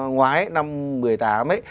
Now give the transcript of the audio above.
ngoái năm một mươi tám ấy